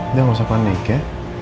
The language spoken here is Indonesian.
udah gak usah panik ya